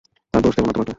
তা দোষ দেব না তোমাকে।